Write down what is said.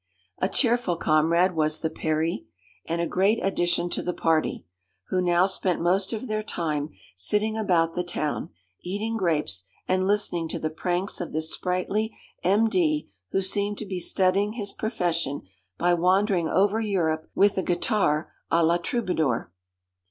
A cheerful comrade was the 'Peri,' and a great addition to the party, who now spent most of their time sitting about the town, eating grapes, and listening to the pranks of this sprightly M.D., who seemed to be studying his profession by wandering over Europe with a guitar à la troubadour.